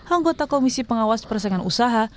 anggota komisi pengawas persaingan usaha